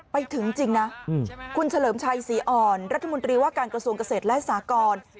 ไปถึงจริงนะคุณเฉลิมชัยศรีอ่อนรัฐมนตรีว่าการกระทรวงเกษตรและสากร